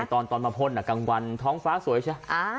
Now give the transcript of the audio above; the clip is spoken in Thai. ตอนมาพ่นกลางวันท้องฟ้าสวยใช่ไหม